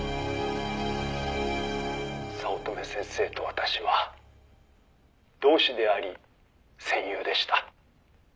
「早乙女先生と私は同志であり戦友でした」